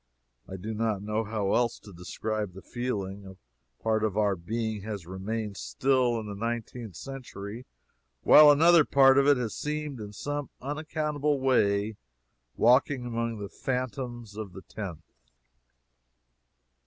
I do not know how else to describe the feeling. A part of our being has remained still in the nineteenth century, while another part of it has seemed in some unaccountable way walking among the phantoms of the tenth.